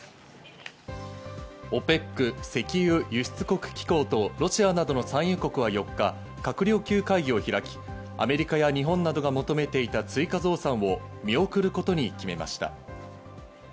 ＯＰＥＣ＝石油輸出国機構とロシアなどの産油国は４日、閣僚級会議を開き、アメリカや日本などが求めていた追加増産を見送ることを決めました。